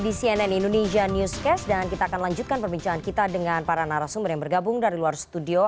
di cnn indonesia newscast dan kita akan lanjutkan perbincangan kita dengan para narasumber yang bergabung dari luar studio